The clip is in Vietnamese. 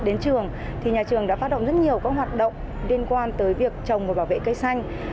từ đầu năm học khi các con đến trường thì nhà trường đã phát động rất nhiều các hoạt động liên quan tới việc trồng và bảo vệ cây xanh